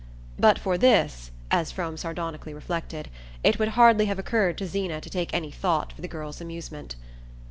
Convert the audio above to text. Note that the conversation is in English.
But for this as Frome sardonically reflected it would hardly have occurred to Zeena to take any thought for the girl's amusement.